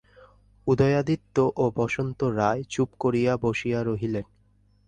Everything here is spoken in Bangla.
উদয়াদিত্য ও বসন্ত রায় চুপ করিয়া বসিয়া রহিলেন।